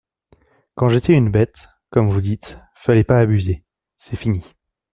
Quand j'étais une bête, comme vous dites, fallait pas abuser … C'est fini.